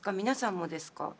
皆さんもですか？